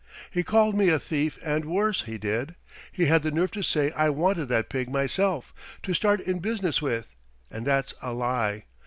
He called me a thief and worse, he did. He had the nerve to say I wanted that pig myself, to start in business with, and that's a lie.